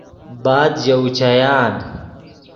بعد ژے اوچیان